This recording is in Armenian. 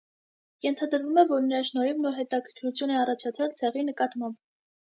Ենթադրվում է, որ նրա շնորհիվ նոր հետաքրքրություն է առաջացել ցեղի նկատմամբ։